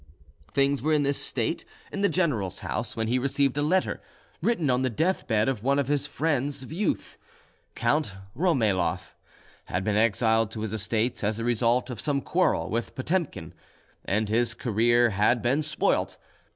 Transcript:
Things were in this state in the general's house when he received a letter, written on the deathbed of one of the friends of his youth. Count Romayloff had been exiled to his estates, as a result of some quarrel with Potemkin, and his career had been spoilt.